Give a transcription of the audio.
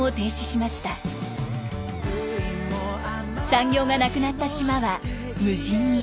産業がなくなった島は無人に。